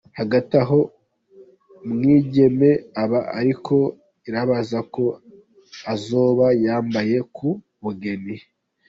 Hagati aho, umwigeme aba ariko irbaza uko azoba yambaye ku bugeni.